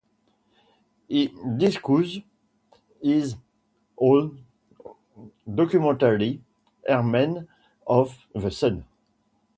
He discusses his own documentary "Herdsmen of the Sun".